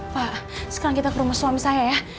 wah sekarang kita ke rumah suami saya ya